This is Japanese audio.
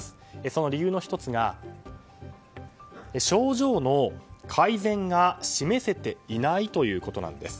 その理由の１つが症状の改善が示せていないということなんです。